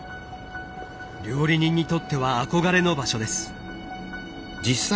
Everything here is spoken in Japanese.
料理人にとっては憧れの場所です。